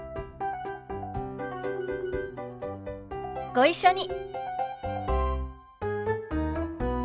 ご一緒に。